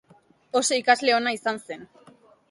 Oso ikasle ona izan zen.